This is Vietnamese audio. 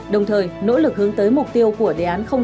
đồng thời nỗ lực hướng tới mục tiêu của đề án sáu